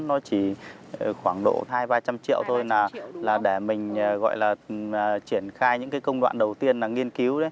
nó chỉ khoảng độ hai ba trăm linh triệu thôi là để mình gọi là triển khai những cái công đoạn đầu tiên là nghiên cứu đấy